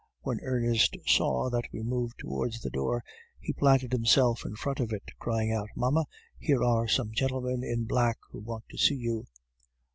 When Ernest saw that we moved towards the door, he planted himself in front of it, crying out, 'Mamma, here are some gentlemen in black who want to see you!